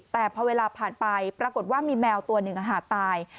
แต่พอเวลาผ่านไปปรากฏว่ามีแมวตัวหนึ่งตาย